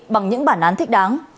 bằng những bản án thích đáng